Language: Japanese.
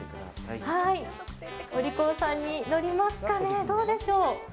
おりこうさんに乗りますかね、どうでしょう。